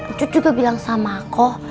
njut juga bilang sama aku